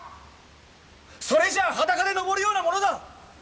それじゃあ裸で登るようなものだ！